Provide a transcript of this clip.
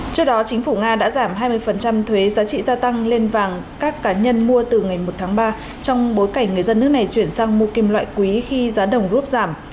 trước đó chính phủ nga đã giảm hai mươi thuế giá trị gia tăng lên vàng các cá nhân mua từ ngày một tháng ba trong bối cảnh người dân nước này chuyển sang mua kim loại quý khi giá đồng rút giảm